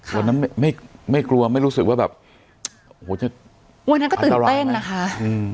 วันนั้นไม่ไม่กลัวไม่รู้สึกว่าแบบโอ้โหจะวันนั้นก็ตื่นเต้นนะคะอืม